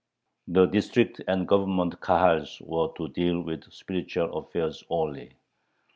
The District and Government Kahals were to deal with spiritual affairs only.